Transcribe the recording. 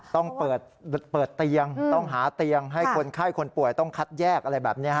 ต้องเปิดเตียงต้องหาเตียงให้คนไข้คนป่วยต้องคัดแยกอะไรแบบนี้